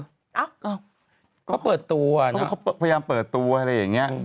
เขาก็เปิดตัวนะเขาพยายามเปิดตัวอย่างไง